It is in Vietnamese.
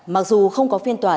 mặc dù không có phiên tòa